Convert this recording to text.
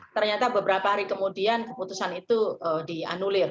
ternyata beberapa hari kemudian keputusan itu dianulir